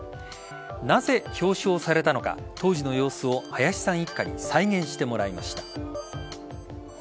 なぜ表彰されたのか当時の様子を林さん一家に再現してもらいました。